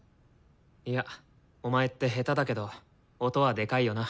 いやお前って下手だけど音はでかいよな。